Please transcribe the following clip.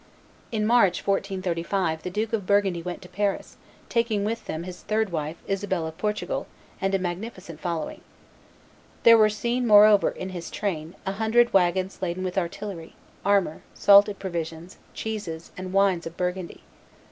In March, 1435, the Duke of Burgundy went to Paris, taking with him his third wife, Isabel of Portugal, and a magnificent following. There were seen, moreover, in his train, a hundred wagons laden with artillery, armor, salted provisions, cheeses, and wines of Burgundy.